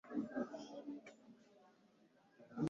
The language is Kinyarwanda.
Ijoro ryishyamba ribyara umuseke wibitekerezo